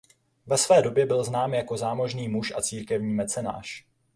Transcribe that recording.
Ve své době byl znám jako zámožný muž a církevní mecenáš.